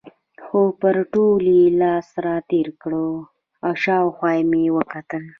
خو پر ټولو یې لاس را تېر کړی و، شاوخوا مې وکتل.